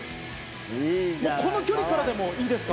この距離からでもいいですか？